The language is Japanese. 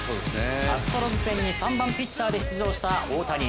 アストロズ戦に３番ピッチャーで出場した大谷。